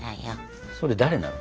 それ誰なの？